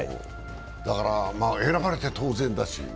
だから選ばれて当然だし。